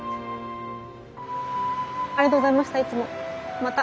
ありがとうございましたいつもまた。